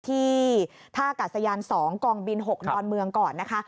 ที่ท่ากาศยาน๒กองบิน๖ดอนเมืองก่อนนะคะ